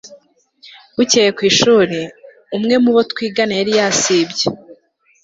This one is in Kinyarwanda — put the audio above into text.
bukeye ku ishuri, umwe mu bo twigana yari yasibye